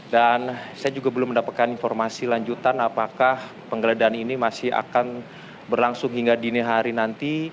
dan saya juga belum mendapatkan informasi lanjutan apakah penggeledahan ini masih akan berlangsung hingga dini hari nanti